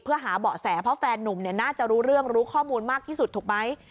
เพื่อหาเบาะแสเพราะแฟนนุ่มน่าจะรู้เรื่องรู้ข้อมูลมากที่สุดถูกไหม